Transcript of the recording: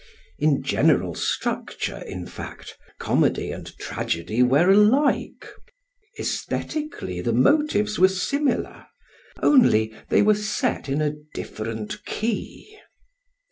In general structure, in fact, comedy and tragedy were alike; aesthetically the motives were similar, only they were set in a different key.